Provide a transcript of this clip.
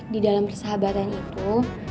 di dalam persahabatan itu